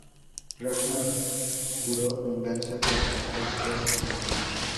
Ragnar juró venganza contra el Ser marino.